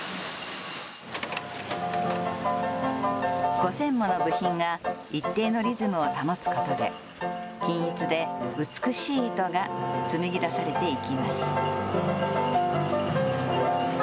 ５０００もの部品が一定のリズムを保つことで均一で美しい糸が紡ぎ出されていきます。